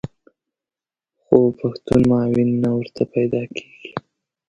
خو پښتون معاون نه ورته پیدا کېږي.